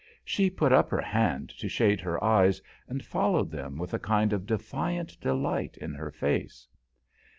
She put up her hand to shade her eyes and followed them with a kind of defiant delight in her face.